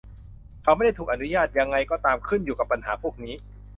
เขาไม่ได้ถูกอนุญาต ยังไงก็ตาม ขึ้นอยู่กับปัญหาพวกนี้